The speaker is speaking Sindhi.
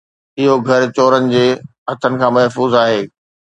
اھو گھر چورن جي ھٿن کان محفوظ آھي